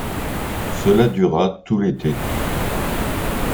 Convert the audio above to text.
Cela dura tout l'été.